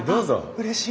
うれしい！